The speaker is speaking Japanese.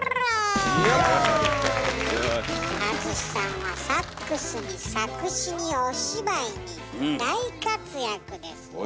敦さんはサックスに作詞にお芝居に大活躍ですねえ。